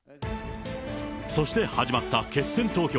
そして始まった決選投票。